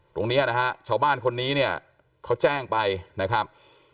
ตรงนี้นะฮะชาวบ้านคนนี้เนี่ยเขาแจ้งไปนะครับ